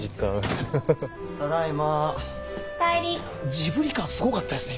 ジブリ感すごかったですね